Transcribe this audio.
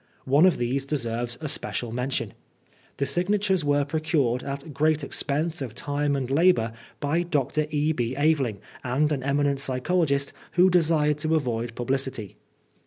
One of these deserves especial mention. The signatures were procured, at great expense of time and labor, by Dr. E. B. Aveling and an eminent psychologist who desired to avoid pub licity.